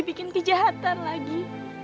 bikin kejahatan lagi